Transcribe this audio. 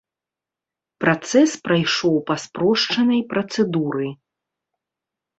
Працэс прайшоў па спрошчанай працэдуры.